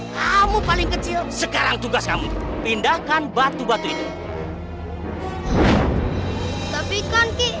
kamu paling kecil sekarang tugas kamu pindahkan batu batu itu tapi kan ki